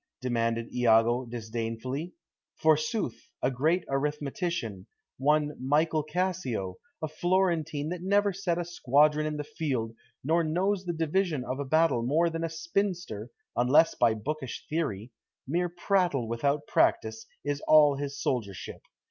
demanded Iago disdainfully. "Forsooth, a great arithmetician one Michael Cassio, a Florentine that never set a squadron in the field, nor knows the division of a battle more than a spinster, unless by bookish theory; mere prattle without practice is all his soldiership.